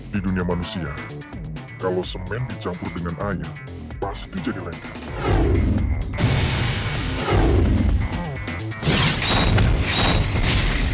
di dunia manusia kalau semen dicampur dengan ayam pasti jadi lengkap